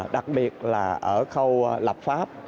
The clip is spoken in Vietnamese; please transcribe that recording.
đặc biệt là ở khâu lập pháp